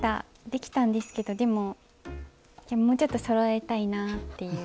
できたんですけどでももうちょっとそろえたいなっていう。